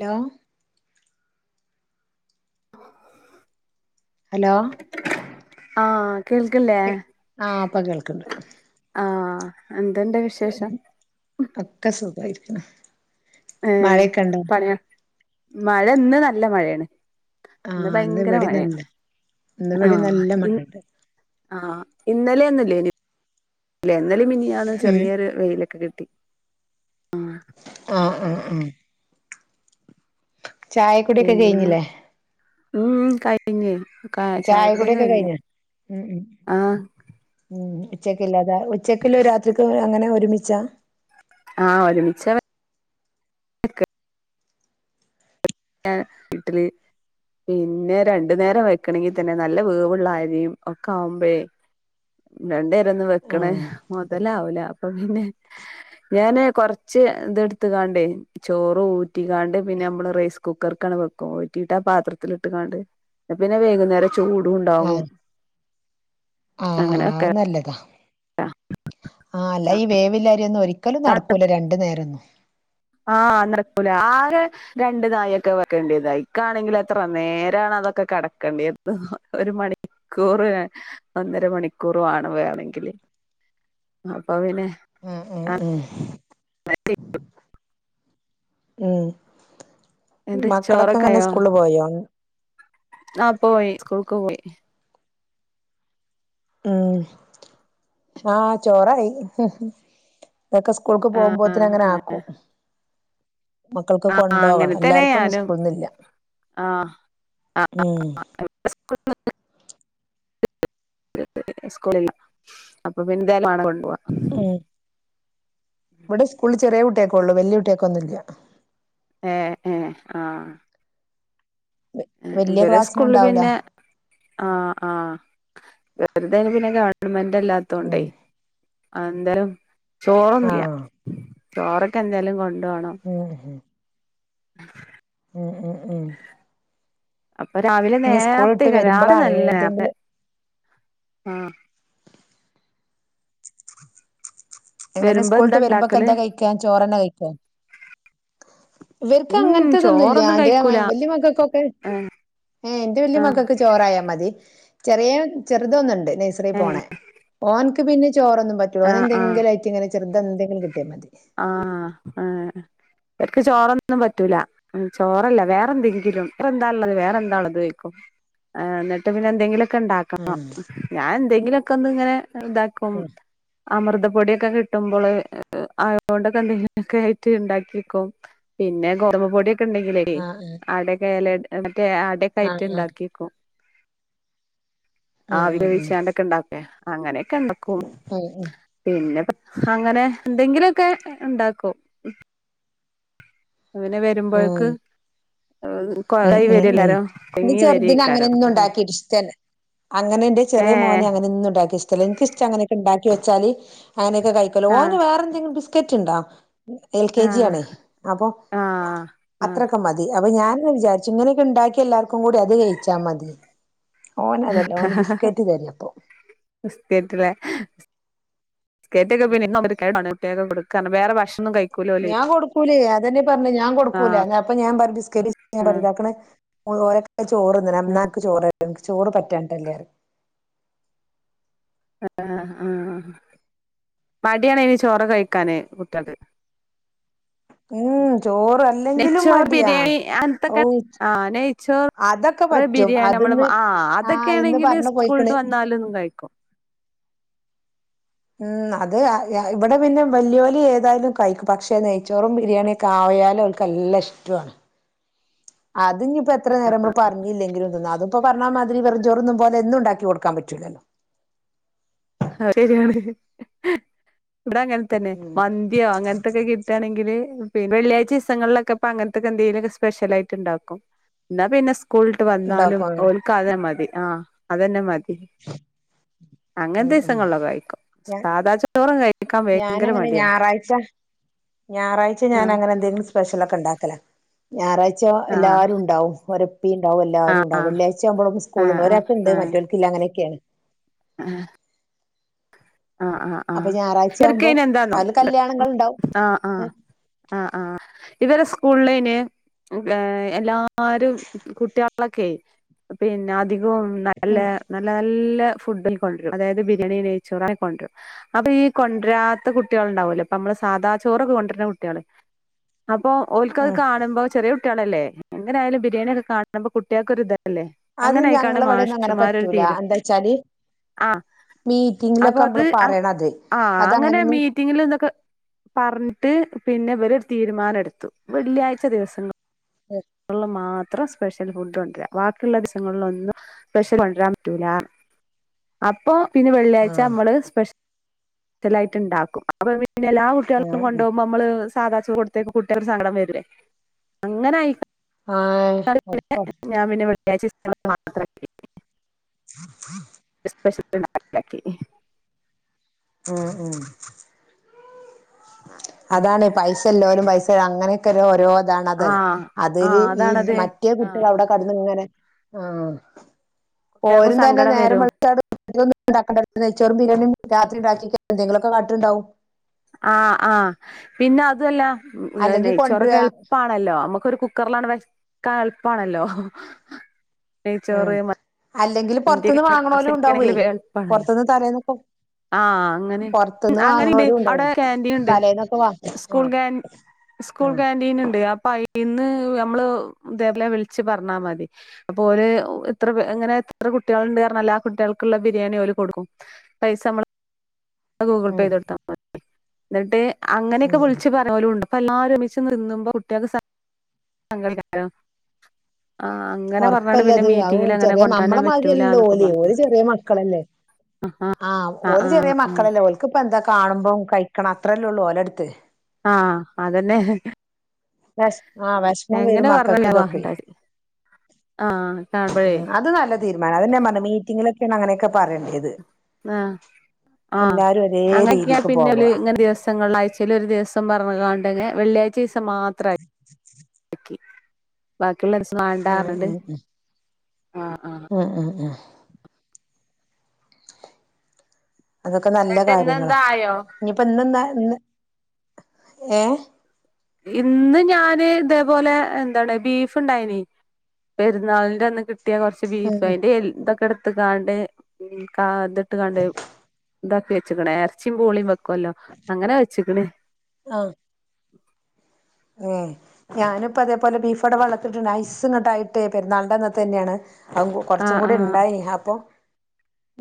Law. Hello. ആഹ കേൾകില്ലേ ആഹ് ഇപ്പൊ കേൾക്കണ്ട് ആഹ. എന്തണ്ടു വിശേഷം? ഒക്കെ സുഖായിരിക്കണ്. ഏ മഴയൊക്കെ ഇണ്ടോ പണി ന്ന മഴ ഇന്ന് നല്ല മഴേണ്. ഇന്ന് ആഹ് ഭയങ്കര ഇവിടെ നല്ല മഴേയാണ് ഇന്ന് ഇവിടെ ആഹ നല്ല ഇന് മഴയുണ്ട് ആഹ. ഇന്നലെ ഒന്നും ഇല്ലേയ്നി ല്ലേ ഇന്നലിം മിനിയാന്നും ഉം ചെറിയൊരു വെയിലൊക്കെ കിട്ടി. ആഹ ആഹ ആഹ. ചായകുടി ഒക്കെ പിന്നെ കയ്ഞ്ഞില്ലേ? ഉം കഴിഞ്ഞ് കാ ചായ ചായകുടി കുടി ഒക്കെ കഴിഞ്ഞു കഴിഞ്ഞ് ഉം ഉം ആഹ് ഉം ഉച്ചകലാതെ ഉച്ചക്ക്ല്ലതും രാത്രിക്ക് അങ്ങനെ ഒരുമിച്ച? ആഹ ഒരുമിച്ച വെ ക്ക ഞാ ഇട്ടിലി. പിന്നെ രണ്ടു നേരം വെക്കണെങ്കി തന്നെ നല്ല വേവ്ള്ള അരിയും ഒക്കെ ആവുമ്പേഴേ രണ്ട നേരം ഒന്നും വെക്കണ ആഹ് മൊതലാവൂല അപ്പൊ പിന്നെ ഞാന് കൊറച്ച് ഇത് ഇട്ത്ത് കാണ്ട ചോറ് ഊറ്റിക്കാണ്ട് പിന്നെ നമ്മള് റേസ് കുക്കർക്കാണ്ട് വെക്കുംറ്റിട്ട് ആ പാത്രത്തിലിട്ട് ങ്ങാണ്ട് പിന്നെ വൈകുന്നേര ആഹ് ചൂടുണ്ടാവും. ആഹ് ആഹ് അ നല്ലതാ ആ അല്ല ഈ വേവ്‌ള്ളരി ഒരി ക്കലും നടക്കൂല്ല രണ്ട് നേരോന്നും. ആഹ നടക്കൂല ആകെ രണ്ട് നായൊക്കെ വെക്കണ്ടേത് ഐകാണെങ്കില് എത്ര നേരാണാ അതൊക്കെ കടക്കണ്ടേത് ഒരു മണിക്കൂർ ഒന്നര മണിക്കൂർ വാണം വേവണങ്കി അപ്പ പിന്നെ ഉം ഉം ആ. ഉം. ഉം എന്റെ മക്കളൊക്കെങ്ങനെ സ്കൂള്ല് പോയോ ആ പോയി സ്കൂക്ക് പോയി. ഉം ആ ചോറായി അതൊക്കെ സ്കൂക്ക് പോവുമ്പോത്തിന് അങ്ങനെ ആഹ് ആക്കും. മക്കൾക്ക് ആഹ് കൊണ്ടോവണം അങ്ങനെ തന്നെ എല്ലാര്ക്കൊന്നും ഞാനും സ്കൂൾന്നില്ല. ആഹ് ആഹ് ഉം [unintelligible] സ്കൂളില്ല്ലാ അപ്പൊ പിന്നെന്തായാലും വാണം കൊണ്ടോവാ ഉം ഇവിടെ സ്കൂളിൽ ചെറ്യേ കുട്ട്യാക്കൊള്ളു വല്യ കുട്ട്യാക്കൊന്നുല്ല. ഏ ഏ ആ വല്യ ഇവരെ സ്കൂള്ള് ക്ലാസ്സിനുണ്ടാവൂല പിന്നെ ആ ആ ഇവര്തയ്ന് പിന്നെ ഗവൺമെന്റ്ല്ലാത്തോണ്ടേ ഉം അത് എന്തേലും ചോറന്നുല്ല ആഹ് ചോറൊക്കെ എന്തായാലും കൊണ് ഉം ഉം [inaudible] ഉം ഉം ഉം അപ്പൊ രാവിലെ ഇനി സ്കൂൾ ഇട്ട് നേരത്തെക്കാരം രാവിലെ വരുമ്പളാണ് നല്ല നേർത്തെ എന്തെങ്കിലും ആ എങ്ങനെ വരുമ്പോ സ്കൂള്ട്ട് എന്താ വരുമ്പോക്കെ ഇണ്ടാക്കല് എന്താ കഴിക്കാ ചോറ്ന്നെ കഴിക്കൊ ഇവര്ക്ക് ഉം അങ്ങനത്തെതൊന്നുല്ല ചോറൊന്നും അന്റെ കഴിക്കൂല വല്യ മക്കക്കൊക്കെ ഏഹ് ഏ എന്റെ വലിയ ആഹ് മക്കക്ക് ചോറായാ മതി ചെറിയ ചെറുതൊന്ന്ണ്ട് നെയ്സറി ഏഹ് പോണേ ഓന്ക്ക് പിന്നെ ചോറൊന്നും പറ്റൂ ആഹ് ഓനെന്തെങ്കിലാ ചെറ്ത് എന്തെങ്കിലും ആ ആ ഇവർക്ക് ചോറൊന്നും പറ്റൂല ചോറല്ല വേറെന്തെങ്കിലും വേറെന്താള്ള വേറെന്താള്ളതോയിക്കും ആ ന്ന്ട്ട് പിന്നെ എന്തെങ്കിലോ ക്കെണ്ടാക്കണം ആഹ് ഞാൻ എന്തെങ്കിലൊക്കൊന്ന് ഇങ്ങനെ ഇതാക്കും അമൃതപ്പൊടിയൊക്കെ കിട്ടുമ്പള് അഹ് അതൊണ്ടൊക്കെ എന്തെങ്കിലൊക്കെ ആയിട്ട് ഇണ്ടാക്കിക്കും പിന്നെ ഗോതമ്പ് പൊടി ക്കെണ്ടേങ്കിലെ ആഹ് അട എല മറ്റേ അടേക്കായിട്ട് ആഹ് ആഹ് ഇണ്ടാക്കിക്കും ആഹ് ആവി ആഹ് ആഹ് വേവിച്ചാണ്ടൊക്കെണ്ടാവൂലെ അങ്ങനെയൊക്കെണ്ടാക്കും ആഹ് ആഹ് പിന്നെ അങ്ങനെ എന്തെങ്കിലൊക്കെണ്ടാക്കും അവന് ആഹ് വരുമ്പോഴേക്ക് ഉം കൊളായി ഉം വരും ഉം എല്ലാരും ഇന്റെ കുടുങ്ങി ചെറ്തിന് അങ്ങനെ വരേക്കാരം അപ്പൊ പിന്നെ ഒന്നുണ്ടാക്കിട്ട് ഇഷ്ട്ടല്ല അങ്ങനെ ഇന്റെ ഏ ചെറിയ മോന് അങ്ങനെന്നും ഇണ്ടാക്കിയ ഇഷ്ട്ടല്ല ഇന്ക്ക് ഇ ന്ക്ക് അങ്ങനെയൊക്കെ ഇണ്ടാക്കി വെച്ചാല് അങ്ങനെയൊക്കെ കഴിക്കല് ഓന് ആഹ് വേറെന്തെങ്കി ബിസ്ക്കറ്റ്ണ്ടോ എൽ കെ ജി ആഹ് ആണേ അപ്പൊ ആഹ് ആഹ് അത്രക്കെ മതി അപ്പൊ ഞാനെന്നെ വിചാരിച്ചു ഇങ്ങനെയൊക്കെണ്ടാക്കി എല്ലാർക്കും കൂടി അത് കഴിച്ചാ മതി ഓന് അതല്ല ഓന് ബിസ്കറ്റ് തരിയിപ്പൊ ബിസ്കറ്റക്കെ പിന്നെ [unintelligible] കൊടുക്ക വേറെ ഭക്ഷണോന്നും കഴി ഞാൻ കൊടുക്കൂലേ അതെന്നെ പറഞ്ഞ ഞാൻ കൊടുക്കൂല അപ്പൊ ഞാൻ ബിസ്കറ്റ് ആഹ് [unintelligible] ഓരൊക്കെതാ ചോറ്ന്ന്ണ് എന്നാ അനക്ക് ചോറേരാ ചോറ് പറ്റാഞ്ഞിട്ടല്ലേറിം ആ ആ മടിയാണ് അയിന് ചോറൊക്കെ കഴിക്കാന് കുട്ട്യാക്ക് ഉം ചോറല്ലെങ്കിലും നെയ്ച്ചോർ മട്യാ ബിരിയാണി അങ്ങനത്തൊക്കെ അവും ആഹ് അതൊക്കെ പറ്റും അത് ആ അതൊക്കെയാണെങ്കില് സ്കൂള് വന്നാലും കഴിക്കും ഉം അത് ഇവിടെ പിന്നെ വലിയ വലിവ മ്മ് അത് അഹ് വല്യോല് ഏതായാലും കഴിക്കും പക്ഷെ നെയ്ച്ചോറും ബിരിയാണിെയൊക്കെ ആയാ ല് ഓല്ക്ക് നല്ല ഇഷ്ട്ടു ആണ് അത്ഞ്ഞ് ഇപ്പൊ എത്ര നേരും നമ്മള് പറഞ്ഞില്ലെങ്കിലും തിന്നു അതിപ്പോ പറഞ്ഞാമാതിരി വെറും ചോറ് തിന്നും പോലെന്നും ഇണ്ടാക്കി കൊടുക്കാന് പറ്റൂലലോ അത് ശരിയാണ് ഇവിടെ അങ്ങനെ തന്നെ ഉം മന്തിയോ അങ്ങനത്തൊക്കെ കിട്ടുകയാണെങ്കില് പിന്നെ വെള്ളിയഴ് ദിവസങ്ങളിലൊക്കെ ഇപ്പ അങ്ങനത്തെക്കെ എന്തെങ്കിലുംക്കെ സ്പെ്യലയിട്ട് ഉണ്ടാക്കും എന്നാ പിന്നെ സ്കൂളിവിട്ട് വന്നാലും ഉണ്ടാക്കും ഓലക്ക് അത് മതി ആ അതന്നെ മതി അങ്ങനെ ഉം ഉം ദിവസങ്ങളോ കഴിക്കും സാധാ ചോറും കഴി- ഞാൻ അങ്ങനെ ഞായറാഴ്ച ഞായറാഴ്ച ഞാൻ ആഹ് അങ്ങനെ എന്തെങ്കിലും സ്പെഷ്യല ഒക്കെ ഉണ്ടാക്കും ക്കല ഞായറാഴ്ച ആഹ് എല്ലാരും ഉണ്ടാവും ഒ- ഉപ്പ ഉണ്ടാവും എല്ലാരും ആഹ് ഉണ്ടാകും വെള്ളാഴ്ച ആകുമ്പോ ആഹ് സ്കൂളുണ്ട് ഒരാൾക്ക ഉണ്ട് മറ്റൊക്കക്കില്ല അങ്ങനൊക്കെയാണ് ആ ആ ആഹ് അപ്പൊ ആഹ് ഞായറാഴ്ച ആവുമ്പോ ചെറക്കയിന എന്താന്നോ അതില് കല്യാണങ്ങൾ ഉണ്ടാവും ആഹ് ആ ആഹ് ആഹ് ഇവരെ സ്- സ്കൂളിന് എല്ലാരും കുട്ടികളൊക്കെയി പിന്നെ അധികവും നല്ല ഉം ഉം നല്ല നല്ല ഫുഡ് കൊണ്ട് വരും അതായത് ബിരിയാണിേ നെയ്ച്ചോറ കൊണ്ടരും അപ്പൊ ഈ കൊണ്ടരാത്ത കുട്ടികൾ ഉണ്ടാവലോ ഇപ്പൊ നമ്മള് സാധാ ചോറൊക്കെ കൊണ്ടുവരുന്ന കുട്ടികള് [unintelligible] ഇപ്പൊ ഓൽക്കത് ഉം കാണുമ്പോ ചെറിയ കുട്ടികളല്ലേ എങ്ങനെയായാലും ബിരിയാണിയൊക്കെ കാണുമ്പോ കുട്ടൾക്ക് ഒരു ഇതല്ലേ അല്ലെ അത് അങ്ങനെ ആയിക്കാണ് ഞങ്ങളവിടെന്നും അങ്ങനെ മാഷിമാരൊരു പറ്റൂല തീരു എന്താ വെച്ചാല് ആ അപ്പൊ മീറ്റിങ്ങിലൊക്കെ അത് നമ്മള് അങ്ങ പറയണത് ആ അങ്ങനെ അതങ്ങനൊന്നും മീറ്റിങ്ങില് ഇതൊക്കെ പറഞ്ഞിട്ട് പിന്നെ ഇവറരു തീരുമാനം എടുത്തു വെള്ളിയാഴ്ച ദിവസങ്ങൾ കൊള്ള മാ ഇത്ര സ്പെഷ്യൽ ഫുഡ് കൊണ്ടുവരാ ബാക്കിയുള്ള ദിവസങ്ങളില ഒന്നും സ്പെഷ്യൽ കൊണ്ടുവരാൻ പറ്റൂല അപ്പൊ പിന്നെ വെള്ളിയാഴ്ച ആഹ് നമ്മള് സ്പെ്പലായിട്ട് ഉണ്ടാക്കും പിന്നെ എല്ലാ കുട്ടികളക്കും കൊണ്ട ആഹ് പോോക്പോ നമ്മള് സാധാച്ച കൊടുത്തേക്ക് കുട്ടികർ സങ്കടം വരല്ലേ അങ്ങനെ ആയി ആഹ് ഉറപ്പാ ഞാൻ പിന്നെ വിെള്ളിയാ ചർ ാ [unintelligible] പശിലാക്കി ഉം ഉ അതാണ് പൈസല്ലോരും പൈസ അങ്ങനെയൊക്കെ ഓരോ അതണതെ ആഹ് അതില് ആഹ് ഈ അതാണത് മറ്റേ ആഹ് കുട്ടികൾ അവിടെ കടന്ന ഇങ്ങനെ ഉ കുട്ടികൾക്കും പോരും തന്നെ സങ്കടം നേര വരും മസന്നും ഉണ്ടാക്കണ്ട നച്ചോറുംണ എന്തെങ്കിലൊക്കെ കാട്ടുണ്ടാവും ആഹ ആഹ പിന്നെ അതല്ല അല്ലെങ്കിൽ നെയ് ചോറക്ക കൊണ്ടുവരിക എളുപ്പാണല്ലോ നമ്മുക്കൊ ഒരു കുക്കറിലാണ് കളപ്പാണല്ലോ ഉം നെയച്ചോറ് അല്ലെങ്കിൽ പുറത്തുനിന്ന് സന്ത്ക്ക വാങ്ങണോലും ഉണ്ടാവേ അവസിക്കാണെങ്കിലില് വളപ്പണല്ലോ പുറത്തുനിന്ന് തലേന്നൊക്കെ ആഹ അങ്ങനെ പുറത്തുനിന്ന് അങ്ങനെണ്ട് വാങ്ങണോരും അവിടെ ഉണ്ടാവും ൻറീൻ ഉണ്ട് തലേന്നൊക്കെ വാ ആ സ്കൂൾൻ സ്കൂൾ ആ കാക്ാന്റീൻ ഉണ്ട് അപ്പൊ ഇന്ന് നമ്മള് ദേവല വിളിച്ചച്ച് പറഞ്ഞാൽ മതി അപ്പോ ഒരു ഇത്ര എങ്ങനെ അത്ര കുട്ടികളുണ്ട് കാരണംല്ല ആ കുട്ടികൾക്കുള്ള ബിരിയാണി പോല കൊടുക്കും പൈസ നമ്മള് ഗൂഗിൾ പേ ചെയ്ത കൊടുത്താ എന്നിട്ട് അങ്ങനെയൊക്കെ വിളിച്ച് പറഞ്ഞ പോലും ഉണ്ട് അപ്പ എല്ലരമിച്ച് നിന്നുമ്പോ കുട്ടികൾക്ക് സങ്കടിക്കോ ഉറപ്പല്ലത് അത് ചെറിയ നമ്മള കൊണ്ടുവരാൻ പറ്റൂല മാകല്ലല്ലോ എന്നൊക്കെ ഓലെ പറഞ്ഞു ഓല ചെറിയ മക്കളല്ലേ ആ ആഹ ആ ആ ഓല് ചെറിയ മക്കളല്ലേ ഓലക്ക് ഇപ്പ എന്താ കാണുമ്പം കഴിക്കണം അത്രല്ലേ ഉള്ളു ഓലടുത്ത് ആഹ അതന്നെ വഷ ആഹ് വിഷമം വെരുും എങ്ങനെ മക്കൾക്ക് പറഞ്ഞാവാ ഇതൊക്കെ ആ കാണുമ്പോഴേ ഉ അത് നല്ല തീരുമാനം അതെന്നാ പറഞ്ഞ മീറ്റിങ്ങിലൊക്കെയാണ് അങ്ങനെയൊക്കെ പറയണ്ടത് ഇത് ആഹ ആഹ ഒരേ അങ്ങനക്കെയ രീതിക്ക് പിന്നെ പോവാ ഇങ്ങെ ദിവസം ദസങ്ങളാഴ്ചയിൽ ഒരു ദിവസം പറഞ്ഞതാണ്ട വെള്ളിയാഴ്ച ദിവസം മാത്രി ബാക്കിള്ളച്ച ഉം നണ്ടണണ്ട് ഉം ഉം ഉം ഉ ഉ അതൊക്കെ നല്ല എന്നിട്ട് ഇന്ന് കാര്യങ്ങളാ എന്താ ആയോ ഇനിയിപ്പോ ഇന്ന്ന്താ ഇന്ന് ഏ ഇന്ന് ഞാന് ഇതേപോലെ എന്താണ് ബീഫ് ഇണ്ടായിന പെരുന്നാളിന്റെ അന്ന് കി കട്ടിയ കുറച്ച് ഉം ബീഫ് ഉം അയിന്റെറെ എതൊക്കെ എടുത്ത് കാണ്ട് ഇതിട്ട് കണ്ട് ഇതാക്കി വെച്ചക്കണേ ഇറച്ചിയും പൂളിയും വെക്കുവല്ലോ അങ്ങനെ വെച്ചക്കണേ ഏ ഞാനിപ്പ അതേപോലെ ബീഫോടെ വളർത്തിട്ട് ഐസ്ങ്ങോട്ടായിട്ടേ പെരുന്നാളുടെന്ന തന്നെയാണ് അ കൊറച്ചും ആഹ് കൂടി ആഹ് ഉണ്ടായിനീ അപ്പൊ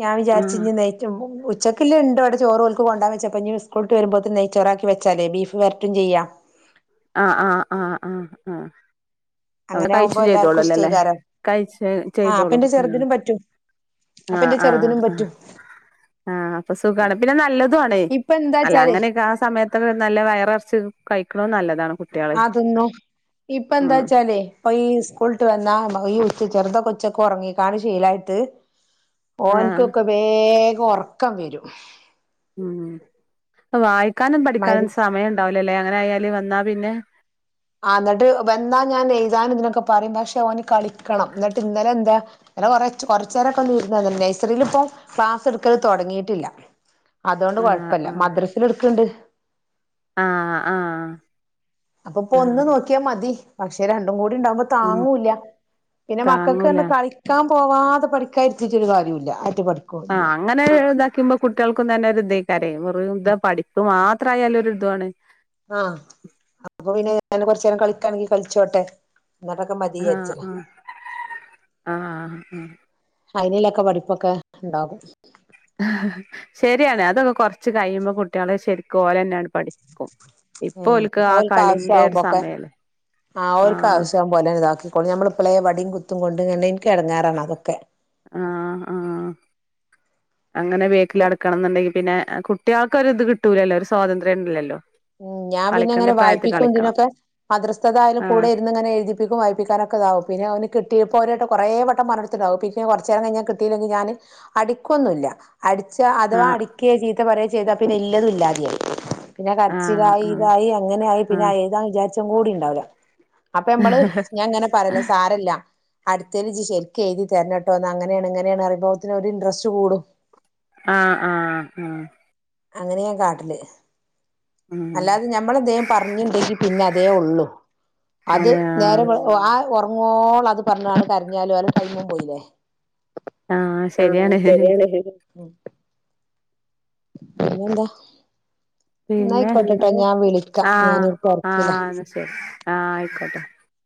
ഞാൻ ആഹ് വിചാരിച്ചഞ് നെയറ്റുമഉച്ച ഉച്ചക്കില്ല ഉണ്ടോ അവി ചോറ്ുകൽക്കക്ക് കൊണ്ടാ വച്ചപ്പപ്പോ സ്കൂളട്ട് വരുമ്പോഴത്തെ നെയ് ചോറക്കി വെച്ചാലേ ബീഫ് വരട്ടും ചെയ്യാം ആആ ആആആ അവ അങ്ങനെ ആവുമ്പോ കഴിച്ചും എല്ലാർക്കും ചെയ്തോളുംല്ലേ അല്ലേ ഇഷ്ടേക്കാരം കഴിച്ച ആഹ് അപ്പ ചെയ്തോളും ഇന്റെ ഉ ചെറുതിനും പറ്റും അപ്പ ആ ഇന്റെ ആ ചെറുതിനും ആ പറ്റും ആ അപ്പൊ സുഖമാണ് പിന്നെ നല്ലതു ആണേ ഇപ്പ അല്ല എന്താച്ചാലേ അങ്ങനെയൊക്കെ ആ സമയത്തൊക്കെ നല്ല വയറിറച്ച കഴിക്കണോ നല്ലത് അതൊന്ന ഇപ്പ എന്താ ഉം വച്ചാലേ ഇപ്പൊ ഈ ഉളിട്ട് വന്നാ ഈ ഉത്ത് ചെറുത കൊച്ചൊക്കെ ഉറങ്ങിക്കാണ് ശീലായിട്ട് ആഹ് ഓനക്കൊക്കെ വേഗം ഉറക്കം വരും ഉം വായിക്കാനും മഗ് പഠിക്കാനും സമയം ഉണ്ടാവ ല്ല ല്ലേ അങ്ങനെ ആയാല് വന്നാ പിന്നെ ആ ന്നിട്ട് വന്നാ ഞാൻ എഴുതാൻ ഇതിനൊക്കെ പറയും പക്ഷെ ഓന് കളിക്കണം എന്നിട്ട് ഇന്നലെ എന്താ ഇന്നല്ലേ കുറ കുറച്ച നേരൊക്കെ ഒന്നും ഇരുന്നില്ല നഴ്സറിൽ ഇപ്പോ ക്ലാസ് ട്ക്കൽ തുടങ്ങിട്ടില്ല അതുകൊണ്ട് ആഹ് കൊഴപ്പല്ല മദ്രസൽ ടുക്കണ്ട് ആ ആ അപ്പൊ ഇപ്പൊ ഒന്ന് നോക്കിയാ മതി പക്ഷെ രണ്ടും കൂടി ഉണ്ടാവുമ്പം ഉം താങ്ങൂല പിന്നെ മക്കക്ക് താങ്ങൂല തന്നേ കളിക്കാ പോവാതെ പഠിക്കാൻഇര്ത്തിറ്റ് ഒരു കാര്യല്ല ആ അങ്ങനെ ഇതാക്കുമ്പോ കുട്ടികൾക്കും തന്നെ ഒരു ഇതക്കാര പഠപ്പ് മാത്രം ത്രയായാലും ഒരിതുആണ് കുറച്ച നേരം കളിക്കാണെങ്കിൽ കളിച്ചോട്ടെ എന്നിട്ടൊക്കെ മതി ആ വിചാരിച്ചതാ ആ ആ ആ അൈനയിലൊക്കെ പഠിപ്പൊക്കെ ണ്ടാവും ഹ്‌ ഹ്‌ ശരിയാണ് അതൊക്കെ കൊറച്ച് കഴിയുമ്പോ കുട്ടികളെ ശരിക്കും പോലെ തന്നെയാണ് പഠിക്കും മ് ഇപ്പൊ ഓൽക്ക് ആ ഓല്ക് കളിന്റെ ഒരു ആവശ്യമാവുമ്പോൊക്കെ സമയല്ലേ ആഓല്ക് ആഹ് ആാവശ്യ ആവുമ്പോ എല്ല ഇതാക്കിക്കോളും നഞമ്മള് പ്പളെ വടിയും കുത്തും കൊണ്ട് ഇങ്ങനെ എനിക്ക് ഇടങ്ങാറാാണ് അതൊക്കെ ആഹ് ആഹ് അങ്ങനെ ബേക്കിൽ അടക്കണം എന്നുണ്ടെങ്ക പിന്നെ കുട്ടികൾക്കൊ ഒരു ഇത് കിട്ടൂലല്ലോ ഒരു സ്വാതന്ത്ര്യംല്ലല്ലോ ഉം ഞാൻ പിന്നെ അങ്ങനെ വായിപ്പിക്കും ഇതിനൊക്കെ അദൃസ്ഥതായാലും കൂടെ ആഹ് ഇരുന്ന്ങ്ങനെ എഴതിപ്പിക്കും വായിപ്പിക്കാനൊക്കെ ക്കൊ ഇതാവും പിന്നെ അവന് കിട്ടിയപ്പോ [unintelligible] കുറേ വട്ടം ത്തിട്ടുണ്ടകുംെ കുറച്ച നേരങ്ങ കഴിഞ്ഞാ കിട്ടയിെങ്ക ഞാന്ൻ അടിക്കൊന്നുല്ല അടിച്ച അഥവാ ആഹ് അടിക ചീത്ത പറയ ചെയ്താൽ പിന്നെ ഇല്ലത ഇല്ലാതെ ആവും പിന്നെ അച്ചിലായി ആഹ് ഇതായി അങ്ങനെ ആായി പിന്നെ ആഹ് ഏുതാന്ന് വിചാരിച്ചും കൂടിണ്ടാവില്ല അപ്പൊ നമ്മള് ഞാൻ ഇങ്ങനെ ആഹ് പറയല സാരില്ല അടുത്തൽ ശരിക്കും എഴുതി തരഞ്ഞെട്ടോ എന്ന് അങ്ങനെയാണ് ഇങ്ങനെയാണ് അറിഭവത്തിന് ഒരു ഇൻട്രസ്റ്റ് കൂടും ആ ആ ആ അങ്ങനെയാ കാട്ടല് ഉം അല്ലാതെ ഞമ്മൾ ന്തേലും പറഞ്ഞണ്ടെങ്കി പിന്നെ അതേേ ഉള്ളു അത് അതെ നേരെ ആഹ് ആ ഉറങ്ങോള അത് പറഞ്ഞതാണ് കരിഞ്ഞാാല ആ ശരിയാണ് [unintelligible] പിന്നെ ന്താ പിന്നെ എന്നായിക്കോട്ടട്ടെ ഞാൻ വിളിക്കാം ആഹ് ഞാനി് തെര്ക്കില്ല ആഹ് എന്നാ ശരി ആഹ് ആയിക്കോട്ടെ